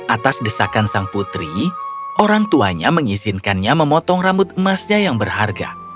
atas desakan sang putri orang tuanya mengizinkannya memotong rambut emasnya yang berharga